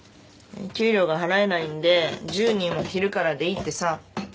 給料が払えないんで１０人は昼からでいいってさ。